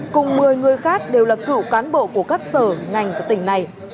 cùng một mươi người khác đều là cựu cán bộ của các sở ngành của tỉnh này